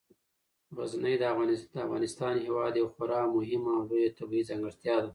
غزني د افغانستان هیواد یوه خورا مهمه او لویه طبیعي ځانګړتیا ده.